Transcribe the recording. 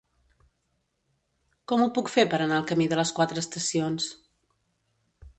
Com ho puc fer per anar al camí de les Quatre Estacions?